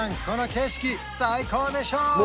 この景色最高でしょ？